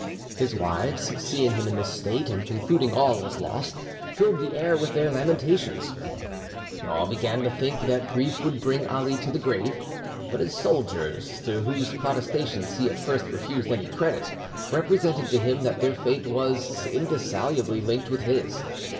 His wives, seeing him in this state, and concluding all was lost, filled the air with their lamentations. All began to think that grief would bring Ali to the grave; but his soldiers, to whose protestations he at first refused any credit, represented to him that their fate was indissolubly linked with his.